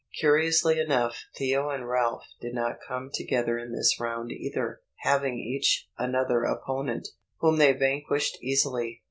Curiously enough, Theo and Ralph did not come together in this round either, having each another opponent, whom they vanquished easily.